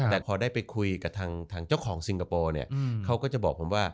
แต่พอได้ไปคุยกับทางเจ้าของซิงคโปร์เนี่ยเขาก็จะบอกผมว่า